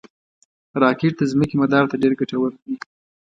راکټ د ځمکې مدار ته ډېر ګټور دي